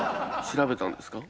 調べたんですか？